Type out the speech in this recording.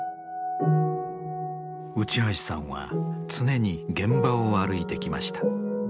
内橋さんは常に現場を歩いてきました。